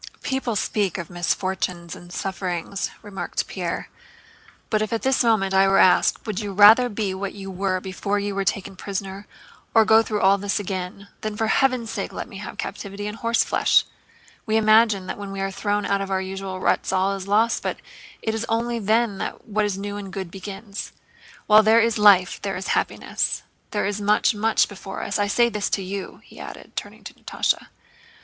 "People speak of misfortunes and sufferings," remarked Pierre, "but if at this moment I were asked: 'Would you rather be what you were before you were taken prisoner, or go through all this again?' then for heaven's sake let me again have captivity and horseflesh! We imagine that when we are thrown out of our usual ruts all is lost, but it is only then that what is new and good begins. While there is life there is happiness. There is much, much before us. I say this to you," he added, turning to Natásha.